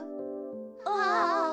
ああ。